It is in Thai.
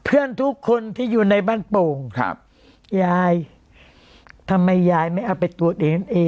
เพื่อนทุกคนที่อยู่ในบ้านโป่งครับยายทำไมยายไม่เอาไปตรวจเอง